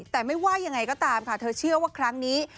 แต่ไม่ว่ายังไงก็ตามค่ะเธอเชื่อว่าครั้งนี้